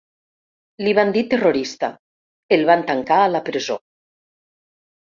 Li van dir terrorista, el van tancar a la presó.